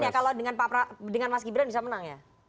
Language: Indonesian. ya kalau dengan mas gibran bisa menang ya